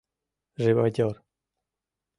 Живодёр!